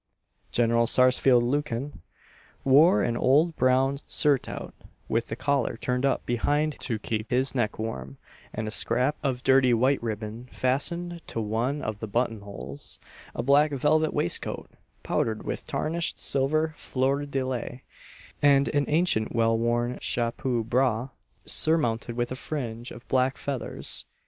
General Sarsfield Lucan wore an old brown surtout, with the collar turned up behind to keep his neck warm, and a scrap of dirty white ribbon fastened to one of the button holes; a black velvet waistcoat, powdered with tarnished silver fleurs de lis, and an ancient well worn chapeau bras, surmounted with a fringe of black feathers.